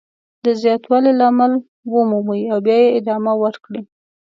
د زیاتوالي لامل ومومئ او بیا یې ادامه ورکړئ.